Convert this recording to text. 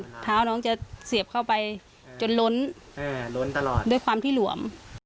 รองเท้าน้องจะเสียบเข้าไปจนล้นด้วยความที่หลวม